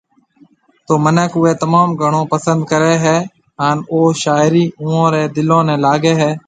تو منک اوئي تموم گھڻو پسند ڪري هي هان او شاعري اوئون ري دلون ني لاگي هي